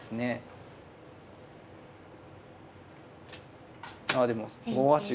あでも５八玉。